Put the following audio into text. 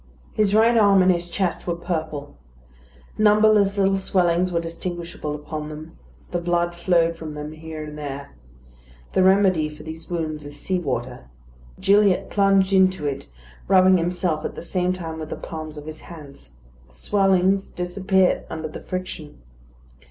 His right arm and his chest were purple. Numberless little swellings were distinguishable upon them; the blood flowed from them here and there. The remedy for these wounds is sea water. Gilliatt plunged into it, rubbing himself at the same time with the palms of his hands. The swellings disappeared under the friction.